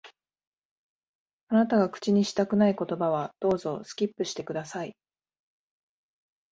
あなたが口にしたくない言葉は、どうぞ、スキップして下さい。